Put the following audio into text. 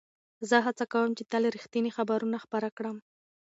زه هڅه کوم چې تل رښتیني خبرونه خپاره کړم.